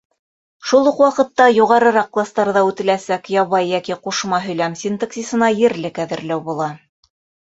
Шул уҡ ваҡытта, юғарыраҡ кластарҙа үтеләсәк ябай йәки ҡушма һөйләм синтаксисына ерлек әҙерләү була.